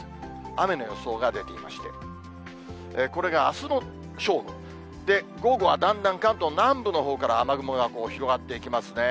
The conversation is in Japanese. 雨の予想が出ていまして、これがあすの正午、午後はだんだん関東南部のほうから、雨雲が広がっていきますね。